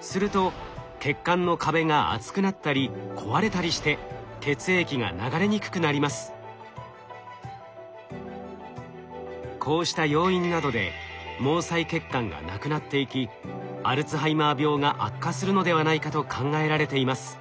すると血管の壁が厚くなったり壊れたりしてこうした要因などで毛細血管が無くなっていきアルツハイマー病が悪化するのではないかと考えられています。